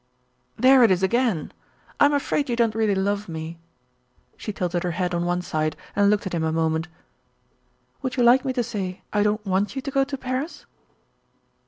"There it is again! I'm afraid you don't really love me." She tilted her head on one side and looked at him a moment. "Would you like me to say I don't want you to go to Paris?"